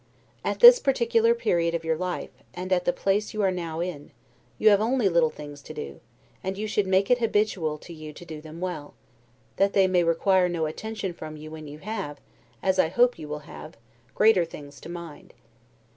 At this particular period of your life, and at the place you are now in, you have only little things to do; and you should make it habitual to you to do them well, that they may require no attention from you when you have, as I hope you will have, greater things to mind.